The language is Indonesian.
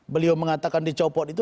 beliau mengatakan dicopot itu